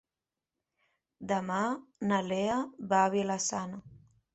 Demà na Lea va a Vila-sana.